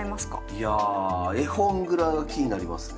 いやあ絵本蔵が気になりますね。